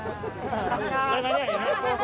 นั่นไงครับ